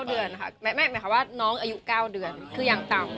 เดือนค่ะหมายความว่าน้องอายุ๙เดือนคือยังต่ำ